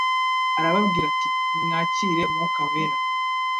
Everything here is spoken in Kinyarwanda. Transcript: arababwira ati: Nimwakire Umwuka wera,